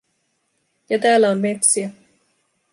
Ja täällä on metsiä.